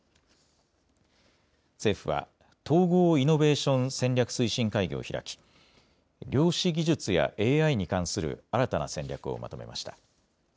政府は統合イノベーション戦略推進会議を開き量子技術やＡＩに関する新たな戦略をまとめました。